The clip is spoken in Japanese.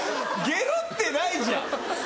ゲロってないじゃん！